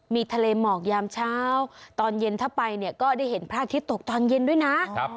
มีทะเลหมอกยามเช้าตอนเย็นถ้าไปเนี่ยก็ได้เห็นพระอาทิตย์ตกตอนเย็นด้วยนะ